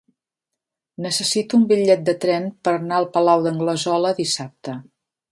Necessito un bitllet de tren per anar al Palau d'Anglesola dissabte.